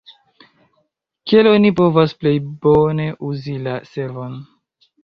Kiel oni povas plej bone uzi la servon?